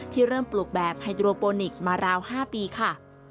เริ่มปลูกแบบไฮโดรโปนิกส์มาราว๕ปีค่ะ